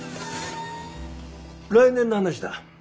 来年の話だ。